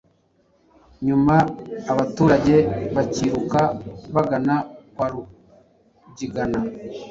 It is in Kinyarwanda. nyuma abaturage bakiruka bagana kwa Rugigana